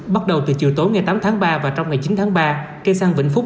bắt đầu từ chiều tối ngày tám tháng ba và trong ngày chín tháng ba cây xăng vĩnh phúc